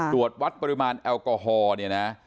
ตรวจวัดปริมาณแอลกอฮอล์เนี่ยนะ